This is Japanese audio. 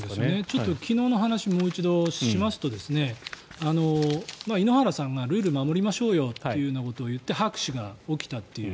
ちょっと昨日の話をもう一度しますと井ノ原さんがルール守りましょうよということを言って拍手が起きたという。